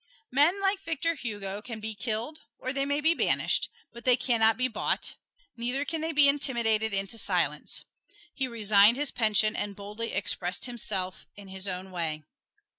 Men like Victor Hugo can be killed or they may be banished, but they can not be bought; neither can they be intimidated into silence. He resigned his pension and boldly expressed himself in his own way.